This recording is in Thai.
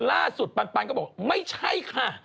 ล่าสุดปันก็บอกไม่ใช่ค่ะ